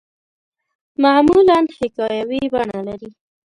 معمولاً حکایوي بڼه لري.